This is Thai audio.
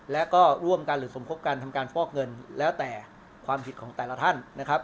และก็ร่วมกันหรือสมคบกันทำการฟอกเงินแล้วแต่ความผิดของแต่ละท่านนะครับ